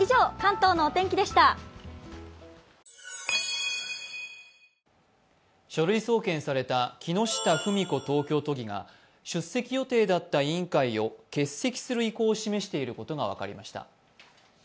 東京都議が出席予定だった委員会を欠席する意向を示していることが分かりました。